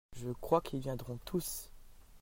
Je crois qu'ils viendront tous.